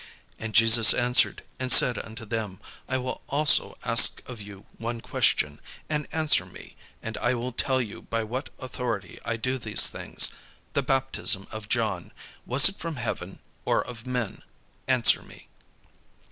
And Jesus answered and said unto them, "I will also ask of you one question, and answer me, and I will tell you by what authority I do these things. The baptism of John, was it from heaven, or of men? Answer me."